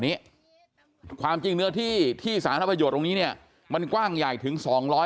นี้ความจริงเนื้อที่ที่สาธารณประโยชน์ตรงนี้เนี่ยมันกว้างใหญ่ถึง๒๐๐